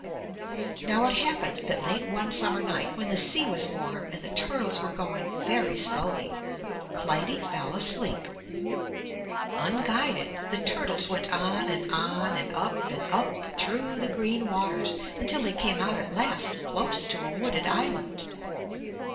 '' Now it happened that late one summer night, when the sea was warm and the turtles were going very slowly, Clytie fell asleep. Unguided, the turtles went on and on and up and up, through the green waters, until they came out at last close to a wooded island.